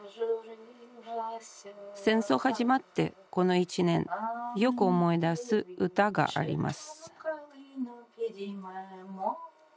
戦争始まってこの１年よく思い出す歌があります